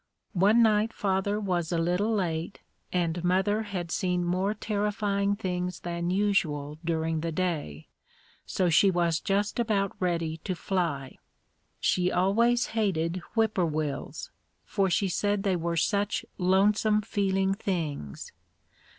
One night father was a little late and mother had seen more terrifying things than usual during the day, so she was just about ready to fly. She always hated whip poor wills for she said they were such lonesome feeling things.